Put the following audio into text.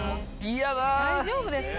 大丈夫ですか？